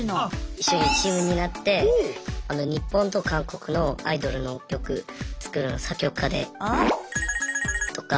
一緒にチームになって日本と韓国のアイドルの曲作る作曲家でとか。